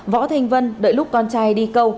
võ thanh vân đợi lúc con trai đi câu